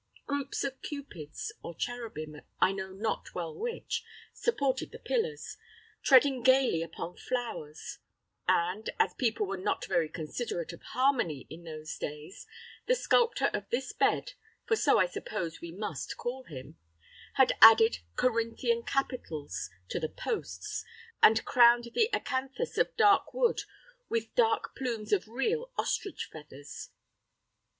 Groups of cupids, or cherubim, I know not well which, supported the pillars, treading gayly upon flowers; and, as people were not very considerate of harmony in those days, the sculptor of this bed, for so I suppose we must call him, had added Corinthian capitals to the posts, and crowned the acanthus of dark wood with large plumes of real ostrich feathers.